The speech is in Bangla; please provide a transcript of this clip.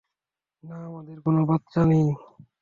না, আমাদের কোন বাচ্ছা নেই।